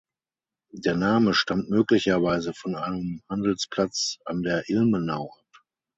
Der Name stammt möglicherweise von einem Handelsplatz an der Ilmenau ab.